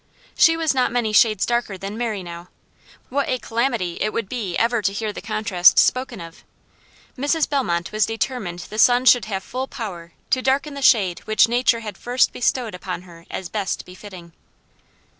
She was not many shades darker than Mary now; what a calamity it would be ever to hear the contrast spoken of. Mrs. Bellmont was determined the sun should have full power to darken the shade which nature had first bestowed upon her as best befitting.